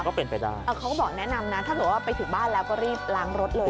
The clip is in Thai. ก็เป็นไปได้เออเขาก็บอกแนะนำนะถ้าเกิดว่าไปถึงบ้านแล้วก็รีบล้างรถเลย